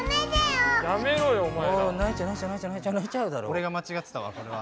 俺が間違ってたわこれは。